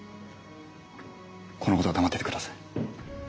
このことは黙っててください。